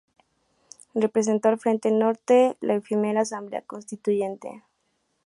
Representó al frente norte en la efímera Asamblea Constituyente.